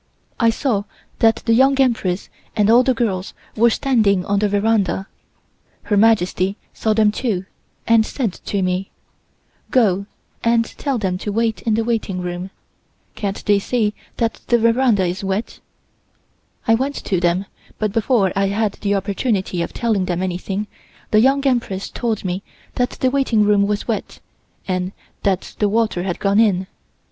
I saw that the Young Empress and all the girls were standing on the veranda. Her Majesty saw them, too, and said to me: "Go and tell them to wait in the waiting room. Can't they see that the veranda is wet?" I went to them, but before I had the opportunity of telling them anything the Young Empress told me that the waiting room was wet, and that the water had gone in.